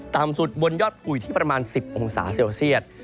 ต่ำสุดบนยอดภูที่ประมาณ๑๐องศาเซลเซียต